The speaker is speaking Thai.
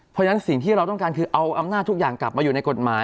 เพราะฉะนั้นสิ่งที่เราต้องการคือเอาอำนาจทุกอย่างกลับมาอยู่ในกฎหมาย